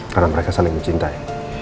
karena mereka saling mencintai